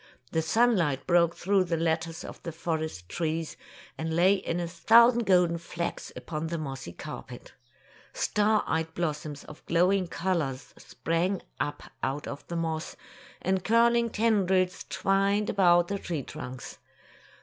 The sunlight broke through the lattice of the forest trees, and lay in a thousand golden flecks upon the mossy carpet. Star eyed blossoms of glowing colors sprang up out of the moss, and curl ing tendrils twined about the tree trunks.